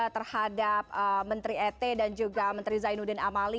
terhadap menteri et dan juga menteri zainuddin amali